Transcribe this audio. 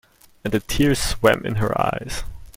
And the tears swam in her eyes.